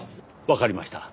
わかりました。